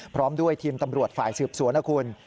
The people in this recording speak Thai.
พร้อมด้วยทีมตำรวจฝ่ายสืบสวนนะคุณ